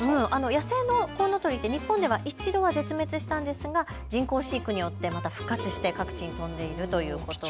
野生のコウノトリって日本では一度は絶滅したんですが人工飼育によってまた復活して各地に飛んでいるということです。